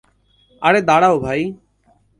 আরে, দাঁড়াও ভাই।